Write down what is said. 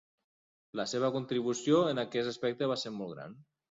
La seva contribució en aquest aspecte va ser molt gran.